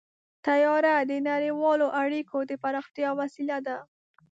طیاره د نړیوالو اړیکو د پراختیا وسیله ده.